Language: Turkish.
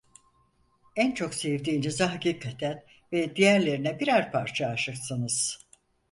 En çok sevdiğinize hakikaten ve diğerlerine birer parça âşıksınız!